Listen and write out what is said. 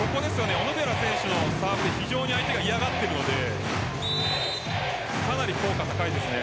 小野寺選手のサーブで非常に相手が嫌がっているのでかなり効果、高いですよね。